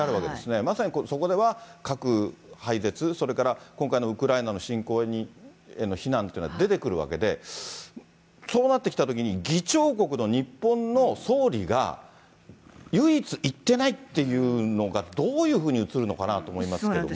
まさにそこでは核廃絶、それから今回のウクライナの侵攻への非難というのは出てくるわけで、そうなってきたときに、議長国の日本の総理が、唯一行ってないっていうのが、どういうふうに映るのかなと思いますけれども。